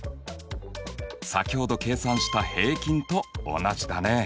先ほど計算した平均と同じだね。